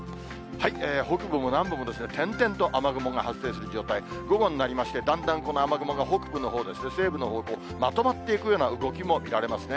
北部も南部も点々と雨雲が発生する状態、午後になりまして、だんだんこの雨雲が、北部のほうですね、西部の方向、まとまっていくような動きも見られますね。